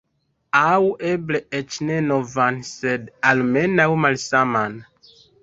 Aŭ eble eĉ ne novan sed almenaŭ malsaman.